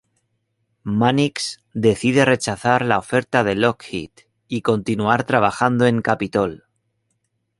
Mannix decide rechazar la oferta de Lockheed y continuar trabajando en Capitol.